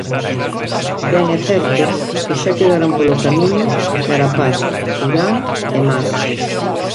Ben é certo, que xa quedaran polo camiño Carapaz, Urán e Mas.